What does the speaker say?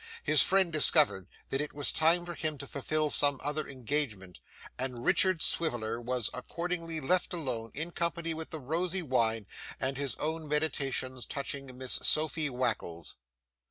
His friend discovered that it was time for him to fulfil some other engagement, and Richard Swiveller was accordingly left alone, in company with the rosy wine and his own meditations touching Miss Sophy Wackles.